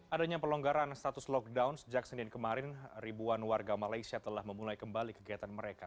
adanya pelonggaran status lockdown sejak senin kemarin ribuan warga malaysia telah memulai kembali kegiatan mereka